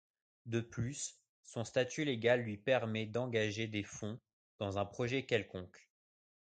De plus, son statut légal lui permet d'engager des fonds dans un projet quelconque.